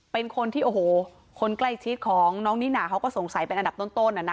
เป็นคนที่โอ้โหคนใกล้ชิดของน้องนิน่าเขาก็สงสัยเป็นอันดับต้นอ่ะนะ